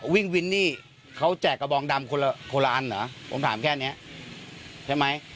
วิ่งวินนี่เขาแจกกระบองดำคนละคนละอันหรอผมถามแค่เนี่ยใช่ไหม